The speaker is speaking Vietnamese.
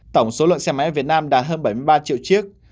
tổng số lượng xe máy ở việt nam đạt hơn bảy mươi ba triệu chiếc